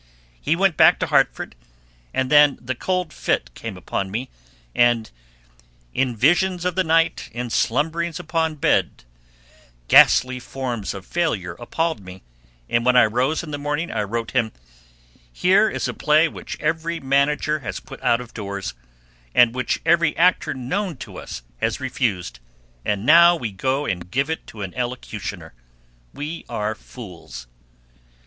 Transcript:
He went back to Hartford, and then the cold fit came upon me, and "in visions of the night, in slumberings upon the bed," ghastly forms of failure appalled me, and when I rose in the morning I wrote him: "Here is a play which every manager has put out of doors and which every actor known to us has refused, and now we go and give it to an elocutioner. We are fools."